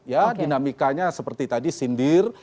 ya dinamikanya seperti tadi sindir